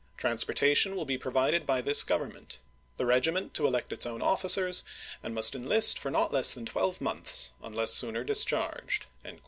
Transportation will be provided by this Govern ment. The regiment to elect its own officers, and must enlist for not less than twelve months, unless sooner discharged."